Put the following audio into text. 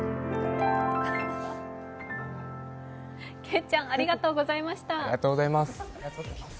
けいちゃんありがとうございました。